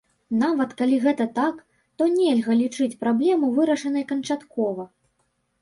Нават калі гэта так, то нельга лічыць праблему вырашанай канчаткова.